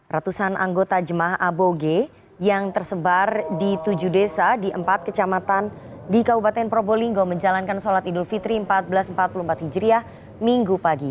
ratusan anggota jemaah aboge yang tersebar di tujuh desa di empat kecamatan di kabupaten probolinggo menjalankan solat idul fitri seribu empat ratus empat puluh empat hijriah minggu pagi